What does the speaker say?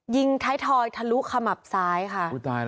ยิงท้ายทอยทะลุขมับซ้ายค่ะ